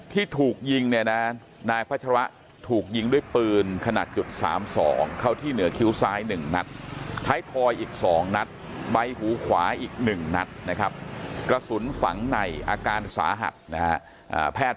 ที่ถูกยิงเนี่ยนะนายพัชรวะถูกยิงด้วยปืนขนาด๓๒เข้าที่เหนือคิ้วซ้าย๑นัด